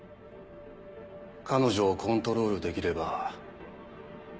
彼女をコントロールできれば。